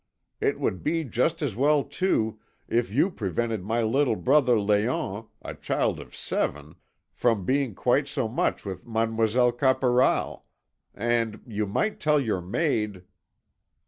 It would be just as well, too, if you prevented my little brother Léon, a child of seven, from being quite so much with Mademoiselle Caporal, and you might tell your maid...."